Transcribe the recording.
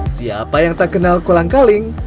siapa yang tak kenal kolang kaling